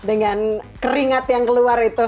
dengan keringat yang keluar itu